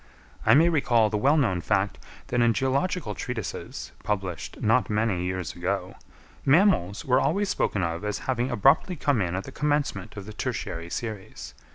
I may recall the well known fact that in geological treatises, published not many years ago, mammals were always spoken of as having abruptly come in at the commencement of the tertiary series.